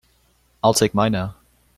I'll take mine now.